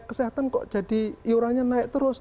kesehatan kok jadi iurannya naik terus